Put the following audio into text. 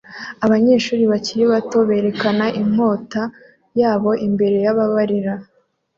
Abanyeshuri bakiri bato berekana inkota yabo imbere yababareba